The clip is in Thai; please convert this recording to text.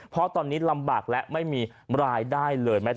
เพราะตอนนี้ลำบากและไม่มีรายได้เลย